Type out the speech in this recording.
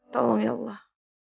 tolong ya allah